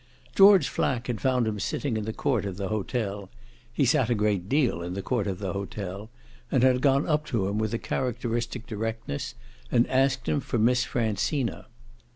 George Flack had found him sitting in the court of the hotel he sat a great deal in the court of the hotel and had gone up to him with characteristic directness and asked him for Miss Francina.